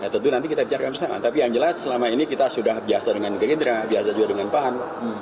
tentu nanti kita bicarakan bersama tapi yang jelas selama ini kita sudah biasa dengan gerindra biasa juga dengan pan